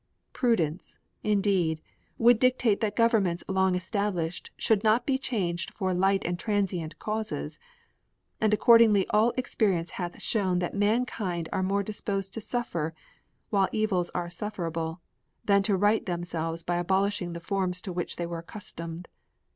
Prudence, indeed, will dictate that governments long established should not be changed for light and transient causes; and accordingly all experience hath shown that mankind are more disposed to suffer, while evils are sufferable, than to right themselves by abolishing the forms to which they were accustomed.